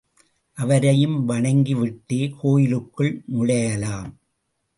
அவரையும் வணங்கிவிட்டே கோயிலுக்குள் நுழையலாம்.